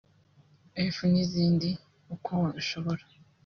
F n’izindi uko wabishobora